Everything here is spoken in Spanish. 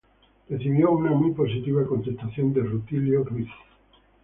Recibió una muy positiva contestación de Rutilio Ruiz.